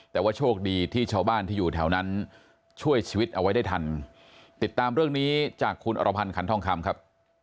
แต่ว่าโชคดีที่ชาวบ้านที่อยู่แถวนั้นช่วยชีวิตเอาไว้ได้ทันติดตามเรื่องนี้จากคุณอรพันธ์ขันทองคำครับ